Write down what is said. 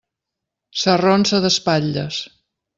S'arronsa d'espatlles.